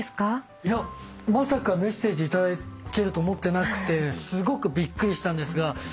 いやまさかメッセージ頂けると思ってなくてすごくびっくりしたんですが。